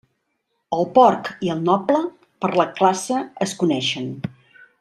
El porc i el noble, per la classe es coneixen.